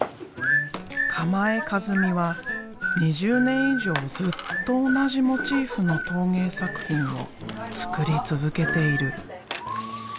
鎌江一美は２０年以上ずっと同じモチーフの陶芸作品を作り続けている。